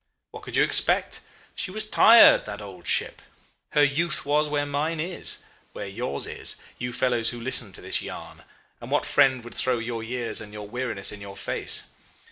What could you expect? She was tired that old ship. Her youth was where mine is where yours is you fellows who listen to this yarn; and what friend would throw your years and your weariness in your face?